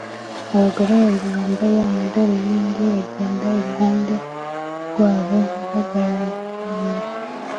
Abagore babiri bambaye amadarubindi bagenda iruhande rwabo baraganira